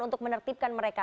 untuk menertibkan mereka